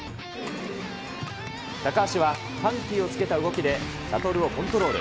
高橋は緩急をつけた動きでシャトルをコントロール。